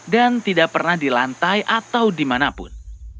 dan tidak pernah di lantai atau dimanapun